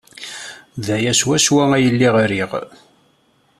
D aya swaswa ay lliɣ riɣ.